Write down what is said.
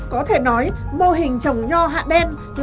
có thể nói mô hình trồng nho hạ đen